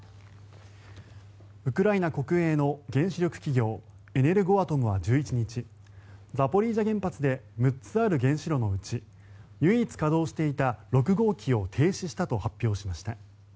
ウクライナ国営の原子力企業エネルゴアトムは１１日ザポリージャ原発で６つある原子炉のうち唯一稼働していた６号機を停止したと発表しました。